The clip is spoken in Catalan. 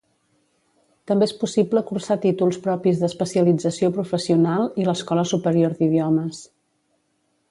També és possible cursar Títols Propis d'Especialització Professional i l'Escola Superior d'Idiomes.